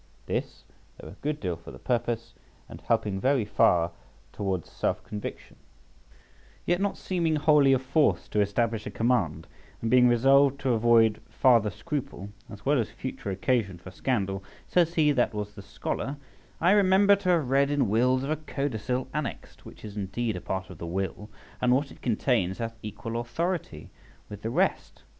This, though a good deal for the purpose, and helping very far towards self conviction, yet not seeming wholly of force to establish a command, and being resolved to avoid farther scruple, as well as future occasion for scandal, says he that was the scholar, "I remember to have read in wills of a codicil annexed, which is indeed a part of the will, and what it contains hath equal authority with the rest.